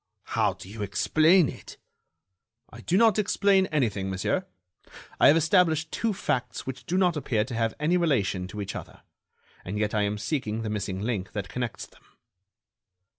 "How do you explain it?" "I do not explain anything, monsieur; I have established two facts which do not appear to have any relation to each other, and yet I am seeking the missing link that connects them."